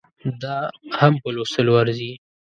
دا هم په لوستلو ارزي